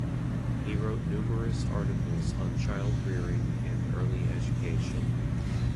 He wrote numerous articles on child rearing and early education.